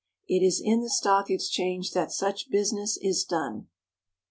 It is in the Stock Exchange that such busi ness is done.